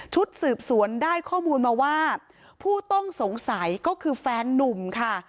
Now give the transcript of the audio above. ชุดสืบสวนได้ข้อมูลมาว่าผู้ต้องสงสัยก็คือแฟนนุ่มค่ะ